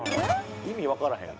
意味わからへん。